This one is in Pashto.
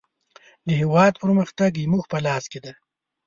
د هېواد پرمختګ زموږ په لاس کې دی.